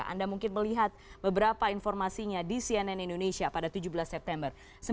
anda mungkin melihat beberapa informasinya di cnn indonesia pada tujuh belas september